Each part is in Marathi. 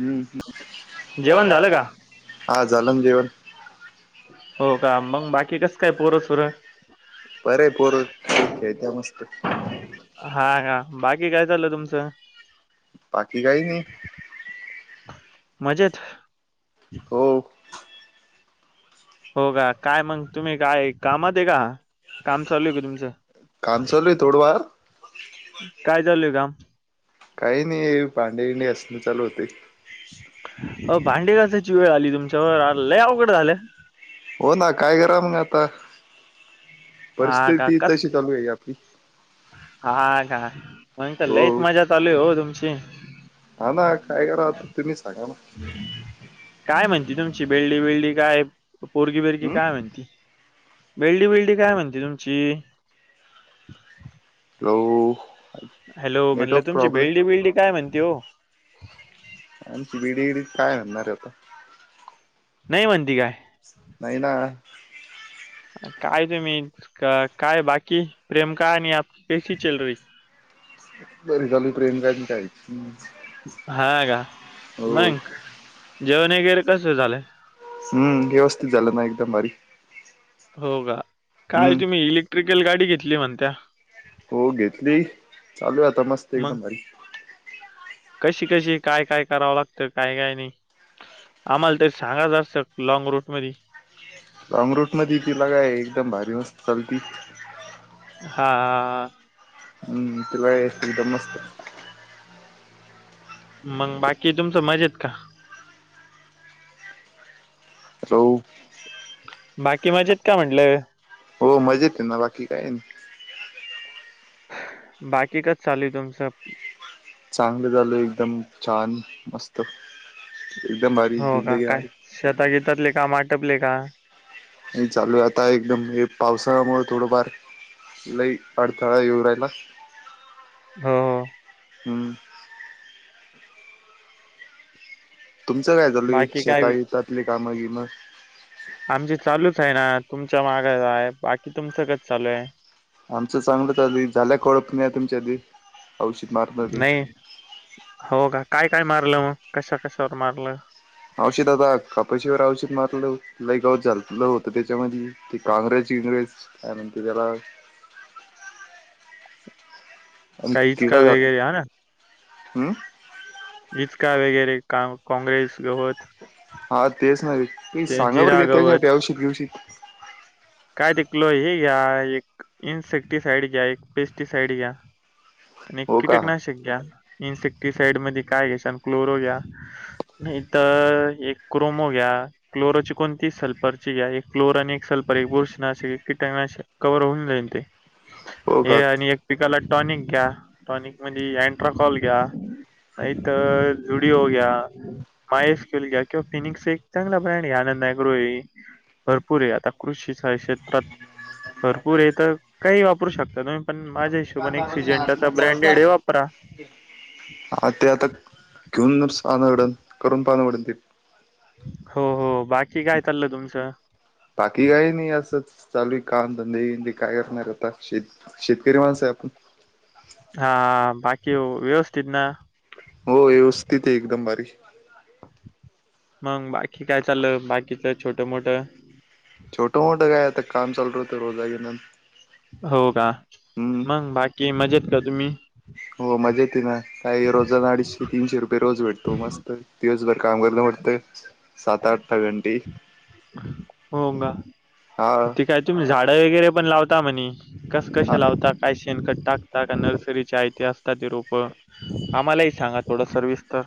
हम्म जेवण झालं का? हा झालं न जेवण हो का मग बाकी कसं काय पोरसोर बरे आहे पोर [inaudible] त्या मस्त आहेत. हा का बाकी काय चाललं तुमचं? बाकी काहीच नाही. मजेत हो. हो का काय मग तुम्ही काय कामात आहे का काम चालू आहे का तुमचं? काम चालू आहे थोडंफार काय चालूय काम? काही नाही भांडे भिडे घासणे चालू होती. अ भांडे घासायची वेळ आली तुमच्यावर आलंय अवघड झालंय. हो ना काय करा ना आता हा का परिस्थिती कस तशी चालू आहे आपली हा का पण तर हो लईच मजा चालूय हो तुमची हा ना काय कराव आता तर तुम्ही सांगा ना काय म्हणती तुमची बेल्डी बिल्डी काय पोरगी बिरगी हम्म काय म्हणती बेल्डी बिल्डी काय म्हणती तुमची हॅलो हॅलो म्हणलं नेटवर्क तुमची प्रॉब्लेम बेल्डी बिल्डी काय म्हणते हो आमची बेल्डी बिल्डी काय म्हणणार होत नाही म्हनती काय? नाही ना. काय तुम्ही काय बाकी प्रेम काहानी कैशी चल रही हे बरी चालू हाय प्रेम कहाणी [inaudible] हा का मंग जेवणवगैर कस झालंय. हम्म व्यवस्थित झालं ना एकदम भारी हो का काल हम्म तुम्ही इलेक्ट्रिकल गाडी घेतली म्हणत्या हो घेतली चालू आहे आता मस्त मग एकदम भारी कशी कशी काय काय करावं लागतं काय काय नाही. आम्हाला तर सांगा जरासं लॉंग रूट म लँंग रूट मध्ये ती लगाय एकदम भारी मस्त चलती हा. हम्म, तिला एकदम मस्त. मग बाकी तुमच मजेत का? हो. बाकी मजेत का म्हटलं. हो मजेत आहे ना, बाकी काय नाही. बाकी कसं चालुय तुमचं? चांगलं झालं एकदम छान, मस्त. एकदम भारी हो का, जिंदगी काय आमची शेतगीतातले कामं आटपले का? चालू आहे आता एकदम हे पावसामुळे थोडंफार लई अडथळा येऊ राहिला. हां. हम्म. तुमचं काय चालूय, बाकी काय शेता यतातली कामं बिमं. आमची चालूच आहे ना तुमच्या मागोमाग, बाकी तुमचं कसं चालू आहे? आमचं चांगलं चालुय, झाल्या कोळपण्या तुमच्या आधी. नाही, हो का, काय काय मारलं मग, कशा कशावर मारलं? औषित आता कापाशीवर औषित मारलं, लयगाऊत झालेलं होतं त्याच्यामध्ये, ते काांग्रेज इंग्रेज. काय म्हणतं त्याला आणि काय इचका तिडं झालं, वगैरे हां ना? हम्म. इचका वगैरे का काँग्रेस, गवत. हा तेच ना रे, ते सांगा बरं जिरा गे त्याच्यासाठी गवत, औषित घवशीत. काय तिकलो हे घ्या एक, इन्सेक्टिसाईड घ्या एक पेस्टिसाईड घ्या. आणि हो का कीटकनाशक घ्या, इन्सेक्टिसाइड मध्ये काय घ्या आणि क्लोरो घ्या. नाही तर एक क्रोमो घ्या. क्लोराची कोणती सल्फरची एक क्लोरा आणि एक सल्फर एक बुरशी नाशक, कीटनाशक कवर होऊन जाईन ते. हो का हे आणि एक पिकाला टॉनिक घ्या. टॉनिक म्हणजे एँट्राकॉल घ्या, नाहीत झुडिओ घ्या. माहेश खिल घ्या, किंवा फिनिक्सचा एक चांगला ब्रँड आहे आनंद अग्रो आहे. भरपूर आहे आता कृषी साईड क्षेत्रात. भरपूर हे तर, काही वापरू शकता तुम्ही, पण माझ्या हिशोबने एक सीजनटर मस हा ते आता, घेऊन आनवडल करून पाहणवडल ते. हो हो, बाकी काय चाललं तुमचं? बाकी काय नाही असंच, चालूय काम धंदे काय करणार आता शेती शेतकरी माणसं आहे आपण. हा बाकी व्यवस्थित ना. हो व्यवस्थित आहे एकदम भारी. मग बाकी काय चाललं, बाकीच छोटं मोठं. छोटं मोठं काय आता काम चालू राहतं रोजागेनं. हो का, मग बाकी मजेत का तुम्ही? हो मजा येते ना, काही रोजांना अडीशे तीनशे रुपये रोज भेटतो मस्त, दिवसभर काम करलं म्हट सात आठता घंटी, हो का हां. ते काय तुम्ही झाडं वगैरे पण लावता म्हणे,, कसं हा कसें लावता काय? शेनखत टाकता का नर्सरीच्या आयती असता ती रोप आम्हालाही सांगा थोडं सर्विसतर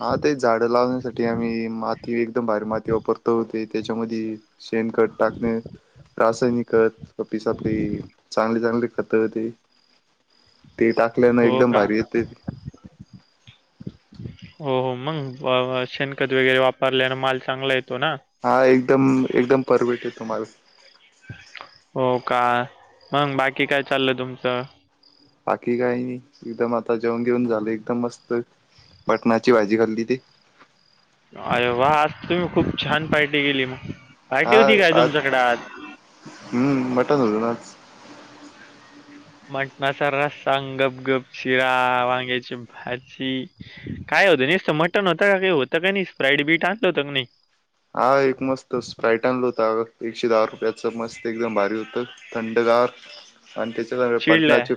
हा ते झाडं लावण्यासाठी आम्ही माती एकदम भारी माती वापरतो ते त्याच्यामध्यी शेणखत टाकणे रासायनिक पिसापी चांगले चांगले खत त ते टाकल्यानं हो एकदम का भारी येतयंते [inaudible] हो मग शेणखत वगैरे वापरल्याने माल चांगला येतो ना. हा एकदम एकदम परवेट हे तुम्हाला हो का मंग बाकी काय चाललं तुमचं बाकी काय नाही एकदम आता जेवण बीवन झालं एकदम मस्त मटणाची भाजी खाल्ली ती. अरे वा आज तुम्ही खूप छान पार्टी केली मग हा पार्टी होती काय आज तुमच्याकडे हम्म मटण होतं ना आज मटणाचा रस्सां अन् गप गप च्या वांग्याची भाजी काय होतं नसतं मटन होतं काही होतं काय नाही स्प्राईड बीट आणलं होतं की नाही. हा एक मस्त स्प्राईट आणल होता एकशे दहा रुपयाच मस्त एकदम भारी होतं थंडगार आणि त्याच्या वर चिडलंय पटणाची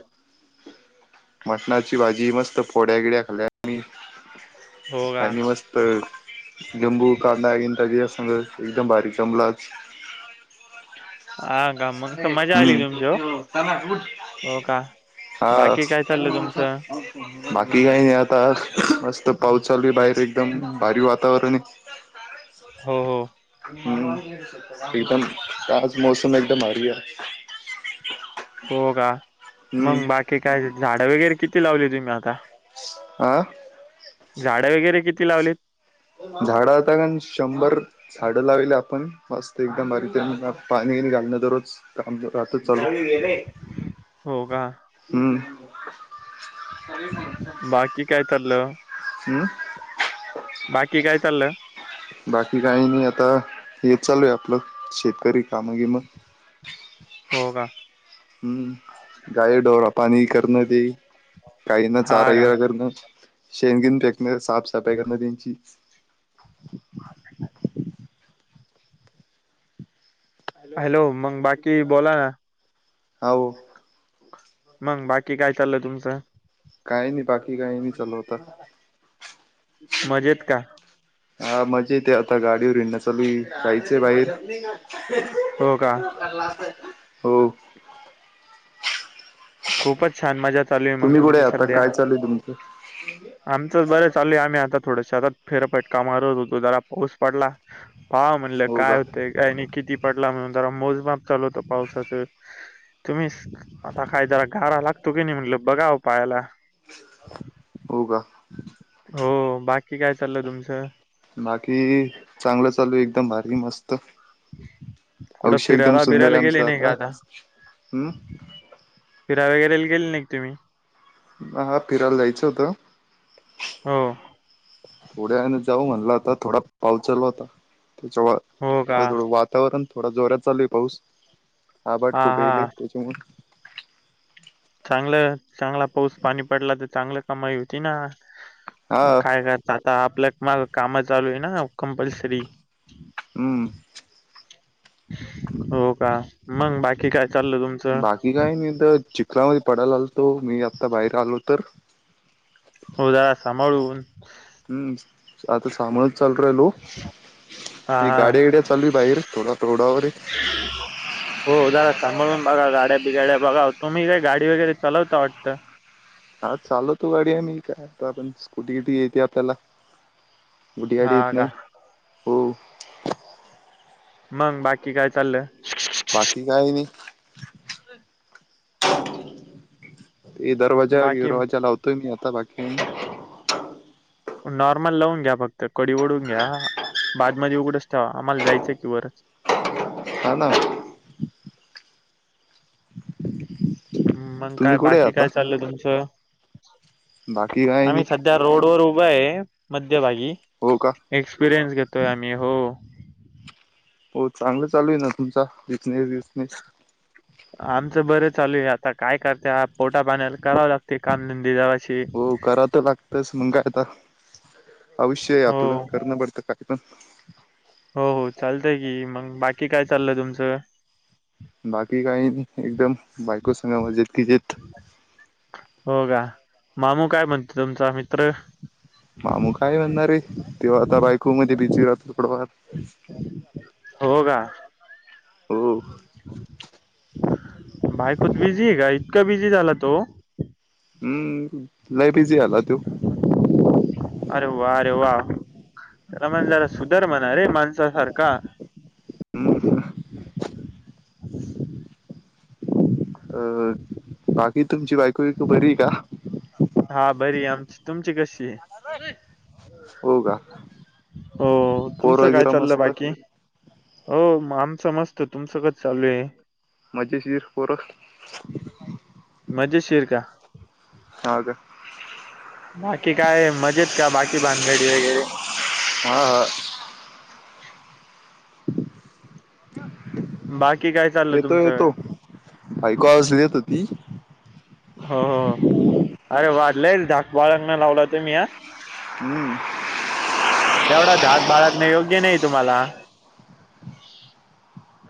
मटणाची भाजी मस्त फोड्या बिड्या खाल्या आम्ही. हो का आणि मस्त लिंबू कांदा तरी या संग एकदम भारी जमलाचं हा का [unintelligible] मग तर मजा आली तुमची हो हो का बाकी आज काय [inaudible] चाललं तुमचं बाकी काही नाही आता मस्त पाऊस चालू आहे बाहेर एकदम भारी वातावरण आहे. हो.... हम्म एकदम आज मोसम एकदम भारी आहे. हो का हम्म मग बाकी काय झाडं वगैरे किती लावली तुम्ही आता आं झाडं वगैरे किती लावलीत. झाडं आता गण शंभर झाडं लावलेली आपण मस्त एकदम भारी त्यांना पाणी घालणं दररोज काम राहतं चालू हो का हम् बाकी काय चालं हम्म बाकी काय चालं बाकी काही नाही आता हे चालू आहे आपलं शेतकरी कामं बीमं हो का हम्म गायी ढोर पाणी करणं ते गाईना हा चारा का बीरा करणं शेणगेन फेकण साफसफाई करणं त्यांची हॅलो मग बाकी बोला ना हो मग बाकी काय चालं तुमचं काही नाही बाक मजेत का? हा मजेत हे आता गाडीवर हिडण चालू हे जायचंय बाहेर हो का हो खूपच छान मजा चालू आहे मग तुम्ही कुठे तुमची आता सध्या काय चालय तुमचं? आमचं बरं चालय आम्ही आता थोडंसे आता फेरफेटका मारत होतो जरा पाऊस पडला पा म्हणलं हो काय का होतय. टायमिंग किती पडला म्हणून जरा मोजमात चालू होत पावसाचं तुम्ही आता काय जरा गारा लागतो की नाही म्हटलं बघाव पायाला हो ग हो बाकी काय चालय तुमचं बाकी चांगलं चालू आहे एकदम भार री मस्त कुठं आविष्य एकदम फिरायला सुंदर आहे बिरायला गेले आमचा नाही आता का हम् फिरा बिरायेला गेले नाही तम्ही हा फिरायला जायचं होतं. हो थोड्यान वेलने जाऊ म्हणला आता थोडा पाऊस चालु होता त्याच्यावर हो का? थोडं वा वातावरण थोडा जोरात चालूय पाऊस आबाट हां, खूप येल हां. त्याच्यामु चांगलं चांगला पाऊस पाणी पडला तर चांगलं कमाई होती ना हा काय क आता आपल्या काम चालू आहे ना कंपल्सरी हम्म हो का मग बाकी काय चालय तुम बाकी काय नी म तर चिखल पडायला आलतो मी आता बाहेर आलो तर होया सांभाळून हम आता सांभाळ चल्यारो हां, ती हां. गाडी येडा चाली बाहेर थोडा तोडावर हो जदा सांभाळून बघा गाड्या बिगाड्या बघा तुम्ही काय गाडी वगैरेचालवता वाटतं हा चालव तो गाडी आम्ही कायतो आपण स्कुटी किटी येते आपल्याला मोठी गाडी हा येत का नाही हो मंग बाकी काय चाललंय बाकी काही नाही हे दरवाजा बाकी इरवाजा लावतोय मी आता बाकी नाई नॉर्मल लावून घ्या फक्त कडी ओढून घ्या बादमध्ये उघडच ठेवा आम्हाला जायचंय की वरच हा ना मग तुम्ही काय कुठे बाकी आता काय चालल तुमचं बाकी काय नी त्या रोड वर उभा आहे मध्यभागी हो का एक्सपिरियन्स घेतोय आम्ही हो. हो चांगलं चालू आहे ना तुमचा विचनेस विसनेस आमचं बरं चालू आहे आता काय करते पोटा पाण्याल करावं लागते कामधंदी द हो करा तर लागतस मंग आता अवश्य आहे हो आपलं करणं पडत काय तीकण हो हो चालतंय की मग बाकी काय चाललंय तुमचं बाकी काही एकदम बायको संगे मजेत की जेत. हो का मामू काय म्हणते तुमचा मित्र. मामू काय म्हणणार रे तेव् आता बायको मध्ये बिजी राहतो थोडंफार. हो. का? हो बायकोतं बिझी आहे. का इतका बिझी झाला तो? हम्म लई बिझी झाला त्यो अरे वा अरे वा त्याला म्हण जरा सुधार म्हणा रे माणसा सारखा. हम् [inaudible] [inaudible] अं बाकी तुमची बायको, बियको बरी का? हा बरी आमची, तुमची कशी ये? हो. का? हो तुमचं पोरं काय गिरं चाललं मस्त बाकी? हो म आमचं मस्त तुमचं कसं चालू आहे मजे शीर पोरं [inaudible] मजेशीर का? हा का? बाकी काय मजेत का बाकी भानगडी वगैरे? हा हा. बाकी काय चाललं येतो येतो तुमचं? ऐकू आवाज येत होती हो हो अरे वा लईच धाक बाळगनं लावलं तुम्ही ह. हम्म, एवढा धाक बाळगणे योग्य नाही. तुम्हाला.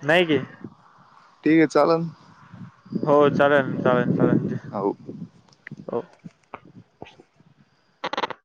नाही कि? ठीक हे चाललं हो चालनं, चालनं, चालनं हो, हो,